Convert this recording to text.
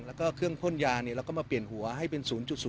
แล้วก็เครื่องพ่นยาเราก็มาเปลี่ยนหัวให้เป็น๐๐